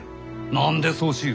何でそうしゆう？